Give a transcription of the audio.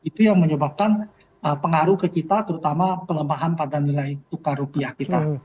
itu yang menyebabkan pengaruh ke kita terutama pelemahan pada nilai tukar rupiah kita